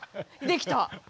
できた。